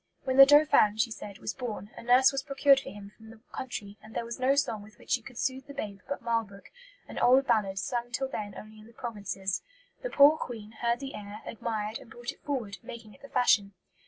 'When the Dauphin,' she said, 'was born, a nurse was procured for him from the country, and there was no song with which she could soothe the babe but 'Marlbrook,' an old ballad, sung till then only in the provinces. The poor Queen heard the air, admired, and brought it forward, making it the fashion.'